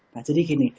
nah jadi gini